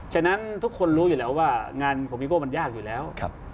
ฉะนั้นทุกคนรู้อยู่แล้วว่างานของพี่โก้มันยากอยู่แล้ว